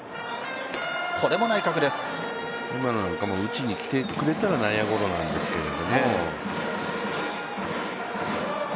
今のなんかも打ちに来てくれたら内野ゴロなんですけど。